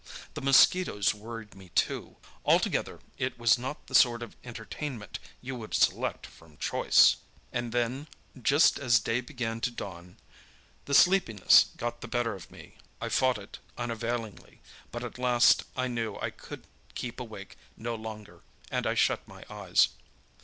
The mosquitoes worried me too. Altogether it was not the sort of entertainment you would select from choice! "And then, just as day began to dawn, the sleepiness got the better of me. I fought it unavailingly; but at last I knew I could keep awake no longer, and I shut my eyes.